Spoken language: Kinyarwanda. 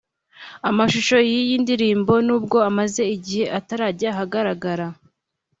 Amashusho y’iyi ndirimbo n’ubwo amaze igihe atarajya ahagaragara